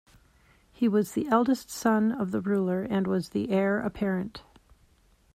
He was the eldest son of the ruler and was the heir apparent.